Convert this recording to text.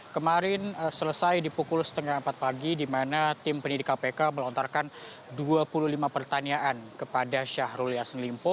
kemarin selesai di pukul setengah empat pagi di mana tim pendidik kpk melontarkan dua puluh lima pertanyaan kepada syahrul yassin limpo